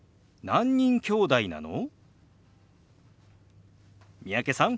何人きょうだいなの？